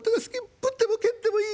ぶっても蹴ってもいい。